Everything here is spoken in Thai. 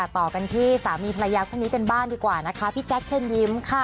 ต่อกันที่สามีภรรยาคู่นี้กันบ้างดีกว่านะคะพี่แจ๊คเชิญยิ้มค่ะ